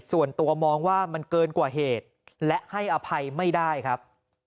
ส่วนตัวมองว่ามันเกินกว่าเหตุและให้อภัยไม่ได้ครับ